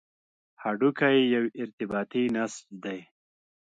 هډوکی یو ارتباطي نسج دی.